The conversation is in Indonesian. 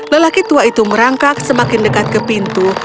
lelaki tua itu merangkak semakin dekat ke pintu